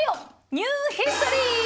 ニューヒストリー！